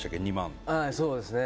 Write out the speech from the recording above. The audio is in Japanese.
そうですね。